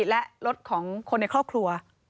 และรถของคนในครอบครัว